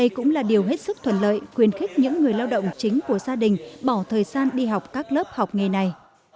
đây cũng là điều hết sức thuận lợi quyền khích những người lao động chính của gia đình bỏ thời gian đi học các lớp học nghề này